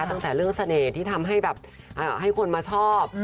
ตั้งแต่เรื่องเสน่ห์ที่ทำให้แบบให้คนมาชอบ